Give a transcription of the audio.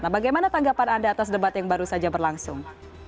nah bagaimana tanggapan anda atas debat yang baru saja berlangsung